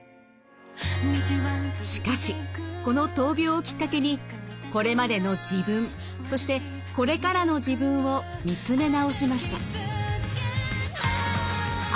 しかしこの闘病をきっかけにこれまでの自分そしてこれからの自分を見つめ直しました。